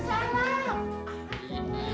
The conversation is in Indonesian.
sampai gak usir